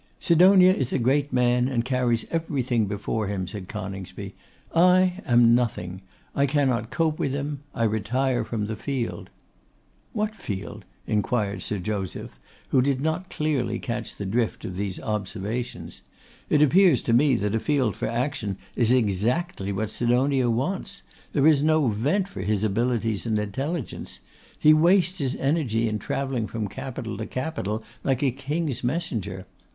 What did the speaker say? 'Sidonia is a great man, and carries everything before him,' said Coningsby. 'I am nothing; I cannot cope with him; I retire from the field.' 'What field?' inquired Sir Joseph, who did not clearly catch the drift of these observations. 'It appears to me that a field for action is exactly what Sidonia wants. There is no vent for his abilities and intelligence. He wastes his energy in travelling from capital to capital like a King's messenger.